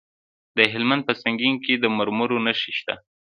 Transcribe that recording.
د هلمند په سنګین کې د مرمرو نښې شته.